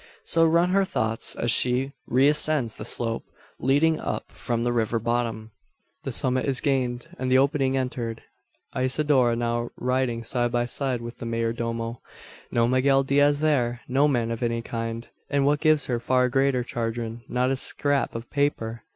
So run her thoughts as she re ascends the slope, leading up from the river bottom. The summit is gained, and the opening entered; Isidora now riding side by side with the mayor domo. No Miguel Diaz there no man of any kind; and what gives her far greater chagrin, not a scrap of paper!